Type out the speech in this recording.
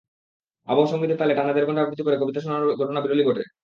আবহ সংগীতের তালে টানা দেড়ঘন্টা আবৃত্তি করে কবিতা শোনানোর ঘটনা বিরলই বটে।